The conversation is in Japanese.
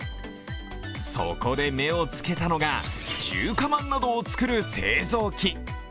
そこで目をつけたのが中華まんなどを作る製造機。